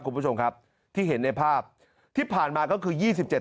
คุณผู้ชมครับที่เห็นในภาพที่ผ่านมาก็คือยี่สิบเจ็ด